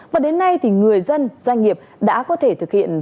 và đến nay thì người dân doanh nghiệp đã có thể thực hiện